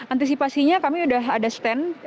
antisipasinya kami sudah ada stand